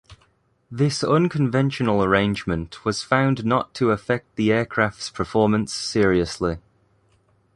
This unconventional arrangement was found not to affect the aircraft's performance seriously.